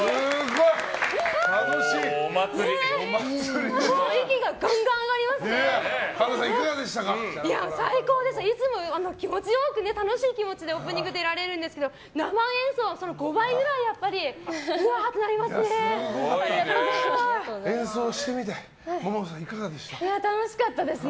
いつも、気持ちよく楽しい気持ちでオープニング出られるんですけど生演奏はその５倍ぐらいワー！ってなりますね。